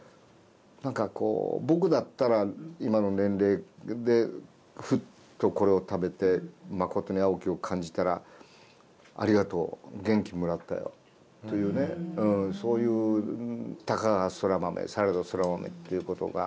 何か僕だったら今の年齢でふっとこれを食べて「まことに青き」を感じたら「ありがとう元気もらったよ」というそういう「たかがそら豆されどそら豆」っていうことが感じる感じがするね。